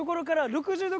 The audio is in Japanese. ６０度！？